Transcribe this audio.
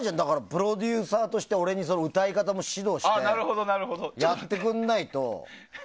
プロデューサーとして俺に歌い方の指導もやってくれないと。